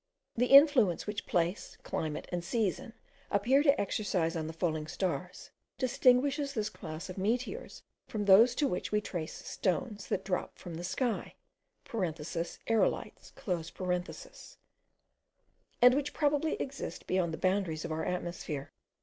The influence which place, climate, and season appear to exercise on the falling stars, distinguishes this class of meteors from those to which we trace stones that drop from the sky (aerolites), and which probably exist beyond the boundaries of our atmosphere.